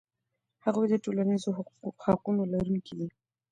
هغوی د ټولنیزو حقونو لرونکي دي.